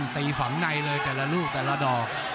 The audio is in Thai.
ตีฝังในเลยแต่ละลูกแต่ละดอก